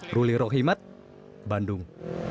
pertaburan galaksi bimasakti dapat dinikmati warga bandung